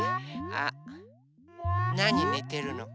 なにねてるの？